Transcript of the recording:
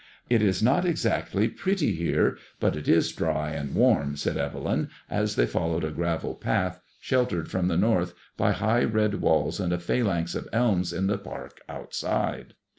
" It is not exactly pretty here, but it is dry and warm/' said Evelyn, as they followed a gravel path, sheltered from the north by high red walls and a phalanx of elms in the park outside.